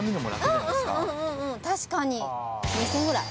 確かに２０００円ぐらい？